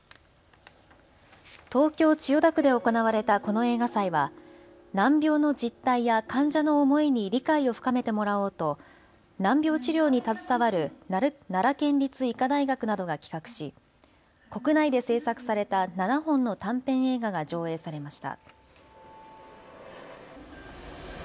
東京千代田区で行われたこの映画祭は難病の実態や患者の思いに理解を深めてもらおうと難病治療に携わる奈良県立医科大学などが企画し国内で製作された７本の短編映画が上映されました。